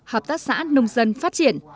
hợp tác xã nông dân phát triển